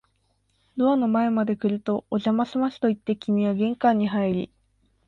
ドアの前まで来ると、お邪魔しますと言って、君は玄関に入り、